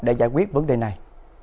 để giải quyết vấn đề này